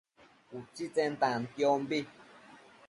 utsitsen tantiombi